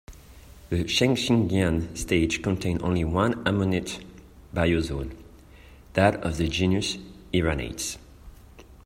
The Changhsingian stage contains only one ammonite biozone: that of the genus "Iranites".